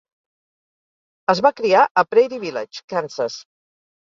Es va criar a Prairie Village, Kansas.